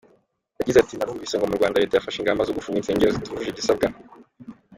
Yagize ati “Narumvise ngo mu Rwanda Leta yafashe ingamba zo gufunga insengero zitujuje ibisabwa.